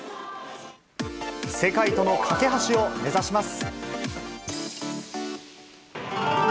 世界との懸け橋を目指します。